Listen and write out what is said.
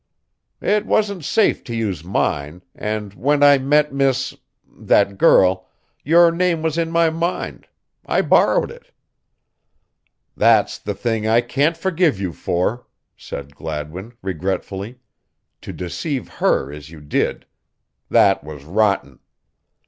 "It wasn't safe to use mine, and when I met Miss that girl your name was in my mind I borrowed it." "That's the thing I can't forgive you for," said Gladwin, regretfully "to deceive her as you did. That was rotten."